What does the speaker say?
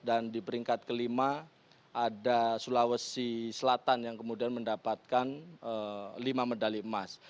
dan di peringkat kelima ada sulawesi selatan yang kemudian mendapatkan lima medali emas